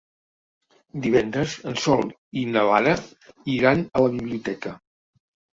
Divendres en Sol i na Lara iran a la biblioteca.